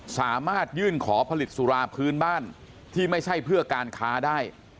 สามารถยื่นขอผลิตสุราพื้นบ้านที่ไม่ใช่เพื่อการค้าได้